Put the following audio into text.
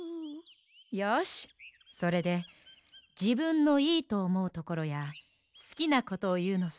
よしそれでじぶんのいいとおもうところやすきなことをいうのさ。